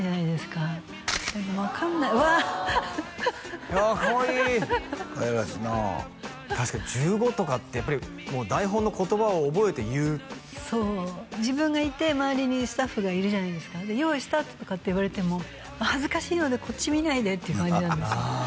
かわいいかわいらしいな確かに１５とかってやっぱりもう台本の言葉を覚えて言うそう自分がいて周りにスタッフがいるじゃないですかで「用意スタート」とかって言われても恥ずかしいのでこっち見ないでっていう感じなんですよ